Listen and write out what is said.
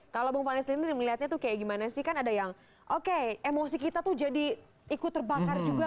kalau bung palestina melihatnya tuh kayak gimana sih kan ada yang oke emosi kita tuh jadi ikut terbakar juga